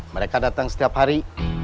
mereka datang setiap hari